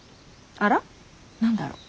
あら何だろ。